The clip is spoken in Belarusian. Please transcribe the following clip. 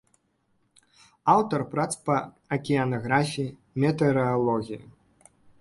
Аўтар прац па акіянаграфіі, метэаралогіі.